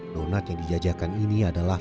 donat yang dijajakan ini adalah